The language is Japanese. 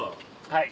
はい。